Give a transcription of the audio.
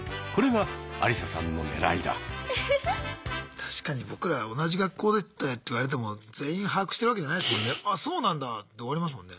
確かに僕ら同じ学校だったよって言われても全員把握してるわけじゃないですもんね。